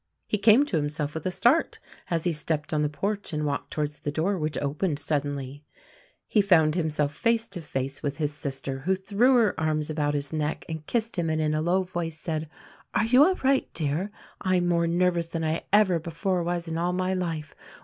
He came to himself with a start as he stepped on the porch and walked towards the door which opened sud denly. THE RECORDING AXGEL 129 He found himself face to face with his sister who threw her arms about his neck and kissed him and in a low voice said, "Are you all right, dear? I'm more nervous than I ever before was in all my life.